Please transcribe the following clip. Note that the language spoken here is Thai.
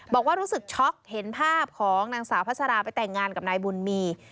บอกว่ารู้สึกช็อกเห็นภาพของนางสาวพัชราไปแต่งงานกับนายบุญมี